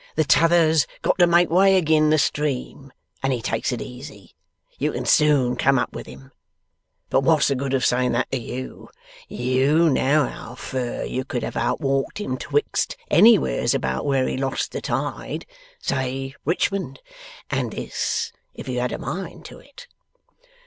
'The T'other's got to make way agin the stream, and he takes it easy. You can soon come up with him. But wot's the good of saying that to you! YOU know how fur you could have outwalked him betwixt anywheres about where he lost the tide say Richmond and this, if you had a mind to it.